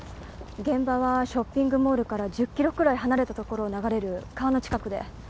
現場はショッピングモールから１０キロくらい離れた所を流れる川の近くで。